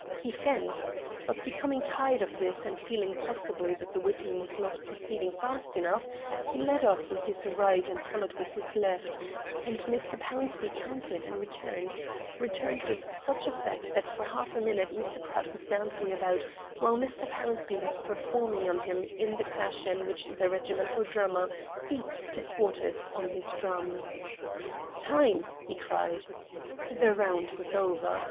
He fenced; but, becoming tired of this, and feeling possibly that the whipping was not proceeding fast enough, he led off with his right, and followed on with his left, and Mr. Pownceby countered and returned returned with such effect that for half a minute Mr. Pratt was dancing about while Mr. Pownceby was performing on him much in the fashion which the regimental drummer beats to quarters on his drum. "Time!" he cried. The round was over.